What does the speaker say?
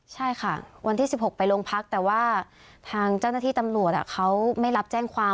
ใช่ค่ะวันที่๑๖ไปโรงพักแต่ว่าทางเจ้าหน้าที่ตำรวจเขาไม่รับแจ้งความ